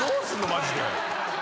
マジで。